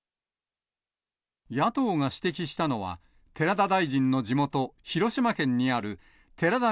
野党が指摘したのは、寺田大臣の地元、広島県にある、寺田稔